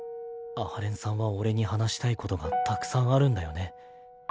阿波連さんは俺に話したいことがたくさんあるんだよね。